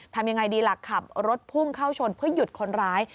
ทำยังไงดีล่ะขับรถพุ่งเข้าชนเพื่อหยุดคนร้าย